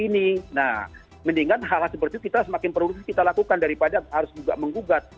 nah mendingan hal hal seperti itu kita semakin produktif kita lakukan daripada harus juga menggugat